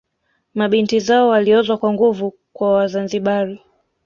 Mabinti zao waliozwa kwa nguvu kwa Wazanzibari